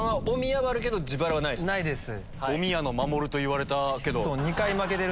ないです。